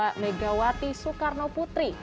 pancasila megawati soekarno putri